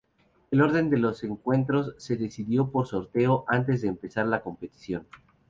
El orden de los encuentros se decidió por sorteo antes de empezar la competición.